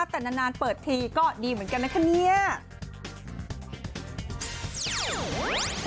แต่นานเปิดธีก็ดีเหมือนกันน่ะค่ะ